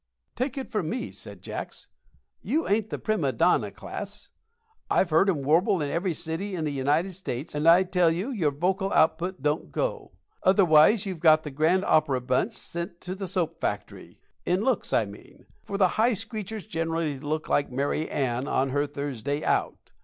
"Take it from me," said Jacks, "you ain't in the prima donna class. I've heard 'em warble in every city in the United States; and I tell you your vocal output don't go. Otherwise, you've got the grand opera bunch sent to the soap factory in looks, I mean; for the high screechers generally look like Mary Ann on her Thursday out.